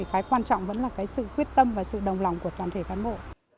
cái quan trọng vẫn là sự quyết tâm và sự đồng lòng của toàn thể cán bộ